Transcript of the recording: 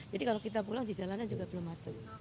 jadi kalau kita pulang di jalanan juga belum macet